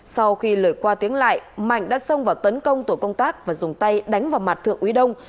sau khi lời qua tiếng lại mạnh đã xông vào tấn công tổ công tác và dùng tay đánh vào mặt thượng úy đông